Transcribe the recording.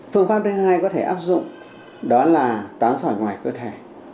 phương pháp thứ hai có thể áp dụng đó là tán sỏi ngoài cơ thể